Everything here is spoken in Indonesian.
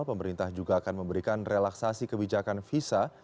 pemerintah juga akan memberikan relaksasi kebijakan visa